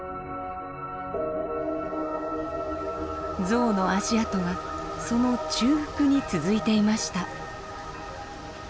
ゾウの足跡はその中腹に続いていました。